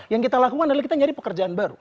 yang kita lakukan adalah kita nyari pekerjaan baru